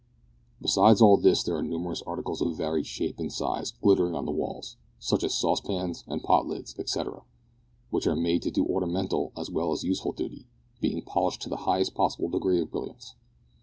Besides all this there are numerous articles of varied shape and size glittering on the walls, such as sauce pans and pot lids, etcetera, which are made to do ornamental as well as useful duty, being polished to the highest possible degree of brilliancy.